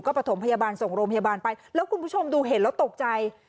ประถมพยาบาลส่งโรงพยาบาลไปแล้วคุณผู้ชมดูเห็นแล้วตกใจ